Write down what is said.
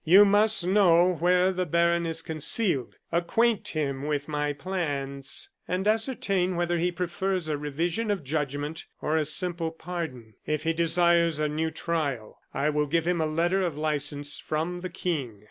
"You must know where the baron is concealed. Acquaint him with my plans and ascertain whether he prefers a revision of judgment, or a simple pardon. "If he desires a new trial, I will give him a letter of license from the King.